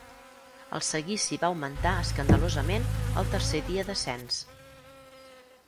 El seguici va augmentar escandalosament el tercer dia de cens.